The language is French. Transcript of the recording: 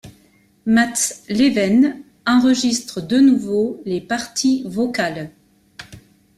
Mats Levén enregistre de nouveau les parties vocales.